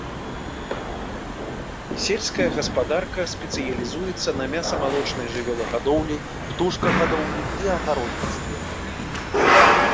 Сельская гаспадарка спецыялізуецца на мяса-малочнай жывёлагадоўлі, птушкагадоўлі і агародніцтве.